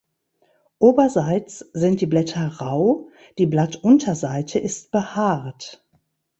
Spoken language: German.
Oberseits sind die Blätter rau; die Blattunterseite ist behaart.